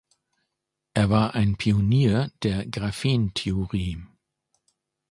Er war ein Pionier der Graphentheorie.